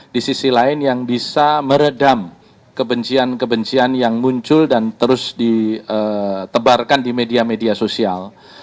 di sisi lain yang bisa meredam kebencian kebencian yang muncul dan terus ditebarkan di media media sosial